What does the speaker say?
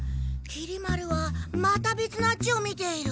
きり丸はまたべつのあっちを見ている。